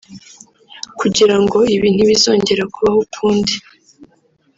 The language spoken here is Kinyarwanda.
Kugira ngo ibi ntibizongere kubaho ukundi